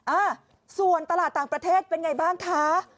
อ่าส่วนตลาดต่างประเทศเป็นไงบ้างคะ